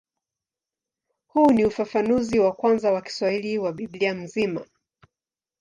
Huu ni ufafanuzi wa kwanza wa Kiswahili wa Biblia nzima.